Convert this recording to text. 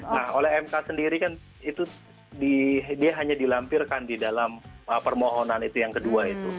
nah oleh mk sendiri kan itu dia hanya dilampirkan di dalam permohonan itu yang kedua itu